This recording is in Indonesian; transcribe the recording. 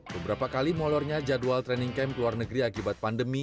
beberapa kali molornya jadwal training camp ke luar negeri akibat pandemi